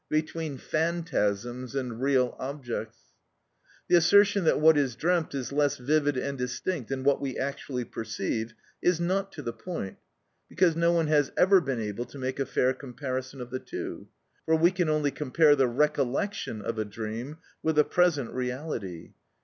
between phantasms and real objects? The assertion that what is dreamt is less vivid and distinct than what we actually perceive is not to the point, because no one has ever been able to make a fair comparison of the two; for we can only compare the recollection of a dream with the present reality.